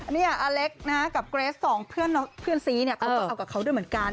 เนี่ยอเล็กนะกับเกรสสองเพื่อนซีเนี่ยเขาก็เอากับเขาด้วยเหมือนกัน